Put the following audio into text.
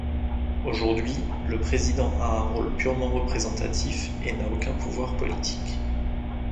Aujourd'hui, le président a un rôle purement représentatif et n'a aucun pouvoir politique.